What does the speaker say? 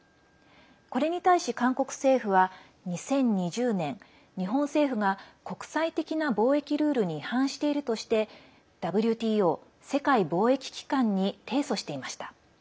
これに対し韓国政府は２０２０年、日本政府が国際的な貿易ルールに違反しているとしてＷＴＯ＝世界貿易機関に提訴していました。